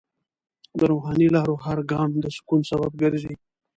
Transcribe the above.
د روحاني لارو هر ګام د سکون سبب ګرځي.